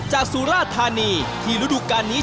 จากสุราธานีที่ฤดุการณ์นี้